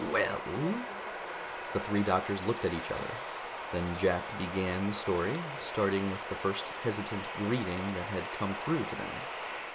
Well?" The three doctors looked at each other. Then Jack began the story, starting with the first hesitant "greeting" that had come through to them.